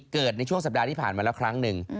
เกิดในช่วงสัปดาห์ที่ผ่านมาแล้วครั้งหนึ่ง